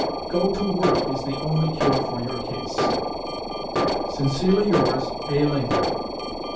Go to work is the only cure for your case. Sincerely yours, A. LINCOLN.